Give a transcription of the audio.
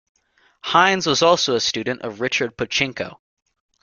Hines was also a student of Richard Pochinko.